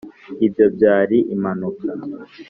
ibyo byari impanuka